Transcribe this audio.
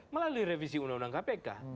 melalui revisi undang undang kpk